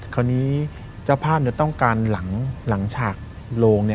คราวนี้เจ้าภาพต้องการหลังฉากโลง